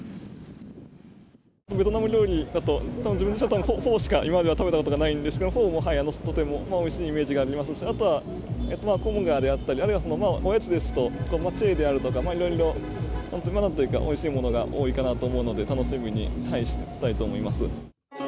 ベトナム料理だと、自分としては、フォーしか、今までは食べたことがないんですが、フォーもとてもおいしいイメージがありますし、あとはコムガーであったりあるいはおやつですと、チェーであるとか、いろいろなんというか、おいしいものが多いかなと思うので、楽しみにしたいと思います。